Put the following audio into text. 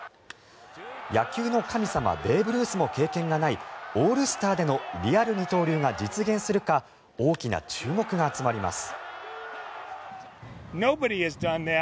野球の神様ベーブ・ルースも経験がないオールスターでのリアル二刀流が実現するか大きな注目が集まります。